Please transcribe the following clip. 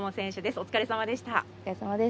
お疲れさまです。